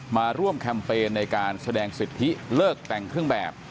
มาร่วมแคมเปญในการแสดงสิทธิเลิกแต่งเครื่องแบบ